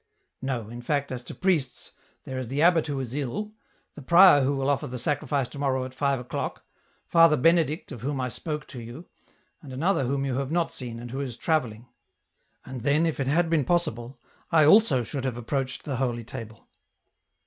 " No, in fact, as to priests, there is the abbot who is ill, the prior who will offer the sacrifice to morrow at five o'clock, Father Benedict of whom I spoke to you, and another whom you have not seen and who is travelling. And then, if it had been possible, I also should have approached the Holy Table."